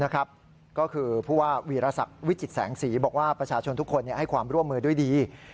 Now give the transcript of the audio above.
ก็คือผู้ว่าวีรศักดิ์วิจิตแสงสีบอกว่าประชาชนทุกคนให้ความร่วมมือด้วยดี